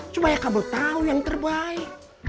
supaya kamu tahu yang terbaik